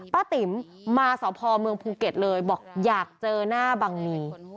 ติ๋มมาสพเมืองภูเก็ตเลยบอกอยากเจอหน้าบังนี